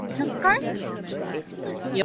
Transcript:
He is elected by popular vote to a seven-year term.